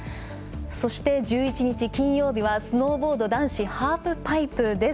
そして１１日金曜日はスノーボード男子ハーフパイプ。